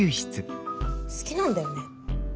好きなんだよね？